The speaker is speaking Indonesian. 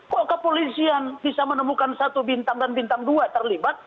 kok kepolisian bisa menemukan satu bintang dan bintang dua terlibat